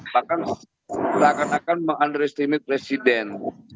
bahkan seakan akan meng underestimate presiden